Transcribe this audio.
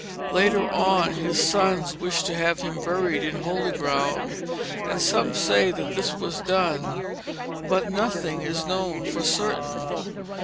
Later on his sons wished to have him buried in holy ground, and some say that this was done, but nothing is known for certain.